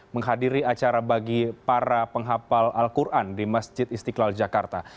menghadiri acara bagi para penghapal al quran di masjid istiqlal jakarta